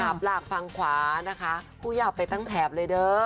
หลับหลากฟังขวานะคะครูยาวไปตั้งแถบเลยเด้อ